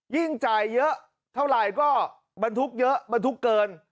ยิ่งจ่ายเยอะเท่าไหร่ก็บรรทุกเยอะบรรทุกเกิน